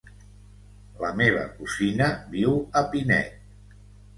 La meva cosina viu a Pinet.